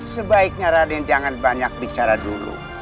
sebaiknya raden jangan banyak bicara dulu